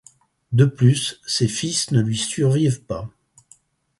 De plus ses fils ne lui survivent pas.